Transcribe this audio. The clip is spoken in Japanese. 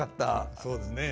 そうですね。